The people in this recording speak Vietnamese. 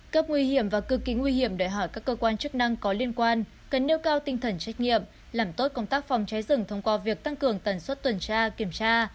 cấp nguy hiểm và cực kỳ nguy hiểm đòi hỏi các cơ quan chức năng có liên quan cần nêu cao tinh thần trách nhiệm làm tốt công tác phòng cháy rừng thông qua việc tăng cường tần suất tuần tra kiểm tra